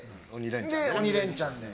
「鬼レンチャン」で。